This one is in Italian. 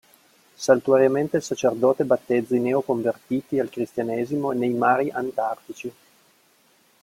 Saltuariamente il sacerdote battezza i neo convertiti al Cristianesimo nei mari antartici.